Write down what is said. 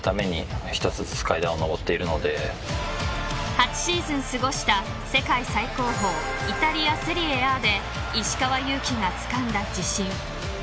８シーズン過ごした世界最高峰イタリア、セリエＡで石川祐希がつかんだ自信。